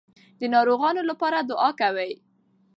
د ناروغانو لپاره دعا کوئ.